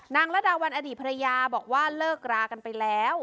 ระดาวันอดีตภรรยาบอกว่าเลิกรากันไปแล้ว